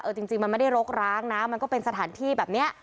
จริงมันไม่ได้รกร้างนะมันก็เป็นสถานที่แบบนี้